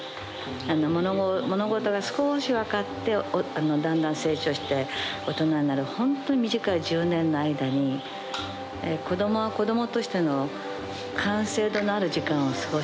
物事が少しわかってだんだん成長して大人になるほんとに短い１０年の間に子供は子供としての感性度のある時間を過ごしてると思ってます。